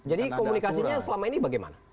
jadi komunikasinya selama ini bagaimana